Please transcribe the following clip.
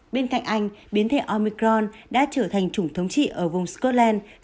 bên cạnh anh biến thể omicron đã trở thành chủng thống trị ở vùng scotland